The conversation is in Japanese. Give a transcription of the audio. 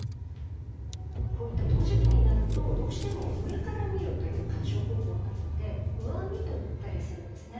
こういった陶磁器になるとどうしても上から見るという観賞方法になるので「上見」と言ったりするんですね。